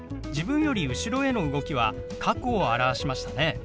自分より後ろへの動きは過去を表しましたね。